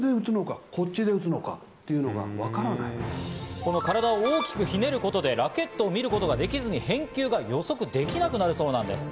この体を大きくひねることでラケットを見ることができずに返球が予測できなくなるそうなんです。